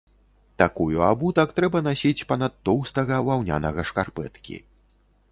Такую абутак трэба насіць па-над тоўстага ваўнянага шкарпэткі.